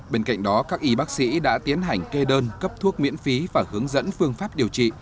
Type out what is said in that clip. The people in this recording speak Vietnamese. bên cạnh đó các y bác sĩ đã tiến hành kê đơn cấp thuốc miễn phí và hướng dẫn phương pháp điều trị